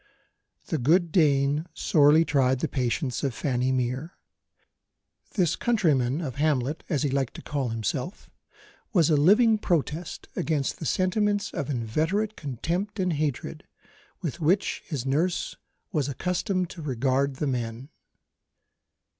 The good Dane sorely tried the patience of Fanny Mere. This countryman of Hamlet, as he liked to call himself, was a living protest against the sentiments of inveterate contempt and hatred, with which his nurse was accustomed to regard the men.